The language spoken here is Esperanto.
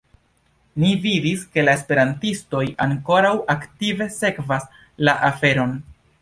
Ni vidis, ke la esperantistoj ankoraŭ aktive sekvas la aferon.